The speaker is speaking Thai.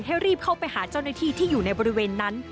ให้รีบเข้าไปหาเจ้าหน้าที่ที่อยู่ในบริเวณนั้น